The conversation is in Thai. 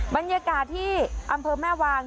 บรรยากาศที่อำเภอแม่วาง